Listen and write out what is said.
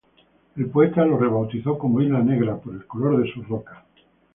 El poeta lo rebautizó como Isla Negra por el color de sus rocas.